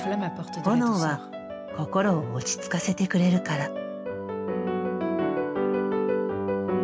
炎は心を落ち着かせてくれるから。